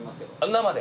生で。